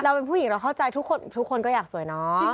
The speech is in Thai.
เราเป็นผู้หญิงเราเข้าใจทุกคนก็อยากสวยเนาะ